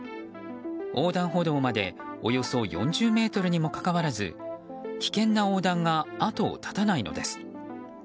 横断歩道までおよそ４０ｍにもかかわらず危険な横断が後を絶たないのです。